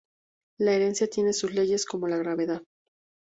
La herencia tiene sus leyes, como la gravedad".